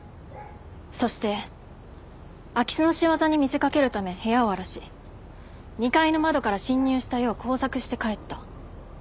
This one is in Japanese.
そして空き巣の仕業に見せかけるため部屋を荒らし２階の窓から侵入したよう工作して帰った。